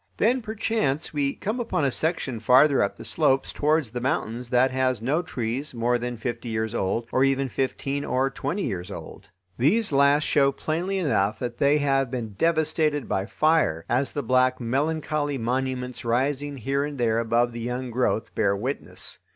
Then perchance, we come upon a section farther up the slopes towards the mountains that has no trees more than fifty years old, or even fifteen or twenty years old. These last show plainly enough that they have been devastated by fire, as the black, melancholy monuments rising here and there above the young growth bear witness.